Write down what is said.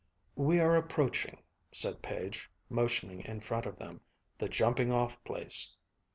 "We are approaching," said Page, motioning in front of them, "the jumping off place."